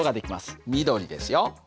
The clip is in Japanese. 緑ですよ。